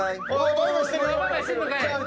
バイバイしてるから。